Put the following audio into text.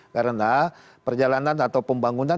karena perjalanan atau pembangunan